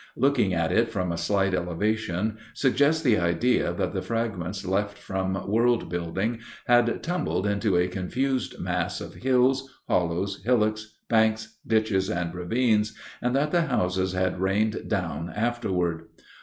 Looking at it from a slight elevation suggests the idea that the fragments left from world building had tumbled into a confused mass of hills, hollows, hillocks, banks, ditches, and ravines, and that the houses had rained down afterward.